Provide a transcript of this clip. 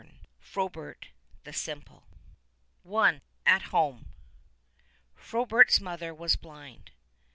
138 FROBERT THE SIMPLE. I. AT HOME. P ROBERT'S mother was blind.